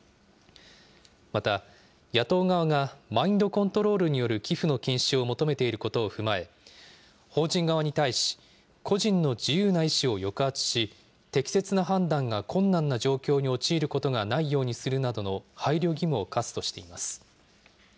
また、野党側がマインドコントロールによる寄付の禁止を求めていることを踏まえ、法人側に対し、個人の自由な意思を抑圧し、適切な判断が困難な状況に陥ることがないようにするなどの配慮義務を課すとしています。